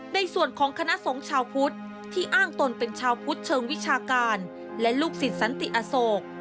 ในส่วนของคณะสงฆ์ชาวพุทธที่อ้างตนเป็นชาวพุทธเชิงวิชาการและลูกศิษย์สันติอโศก